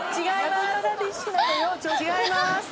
違います。